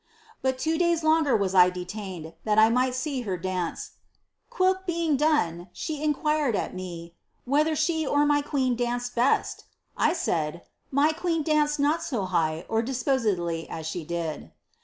But two diTs longer was I detained, that I might see her dance ; quhilk being done, she inquired at me, ^ whether she or my queen danced best ?' J nid. * my queen danced not so high or disposedly as she did.'